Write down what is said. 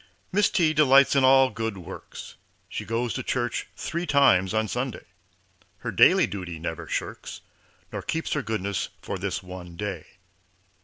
Miss T. delights in all good works, She goes to church three times on Sunday, Her daily duty never shirks, Nor keeps her goodness for this one day.